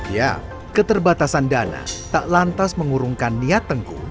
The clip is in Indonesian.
ya keterbatasan dana tak lantas mengurungkan niat tengku